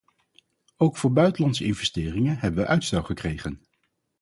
Ook voor buitenlandse investeringen hebben we uitstel verkregen.